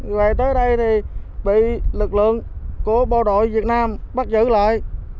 về tới đây thì bị lực lượng của bộ đội việt nam bắt giữ lại